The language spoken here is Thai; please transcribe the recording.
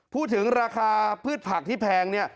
พูดถึงราคาพืชผักที่แพงเนี่ย